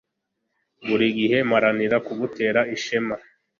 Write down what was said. buri gihe mparanira kugutera ishema